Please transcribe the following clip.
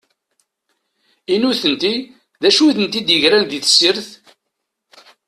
I nutenti, d acu i tent-id-igren di tessirt?